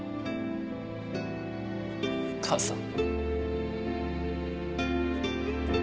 母さん。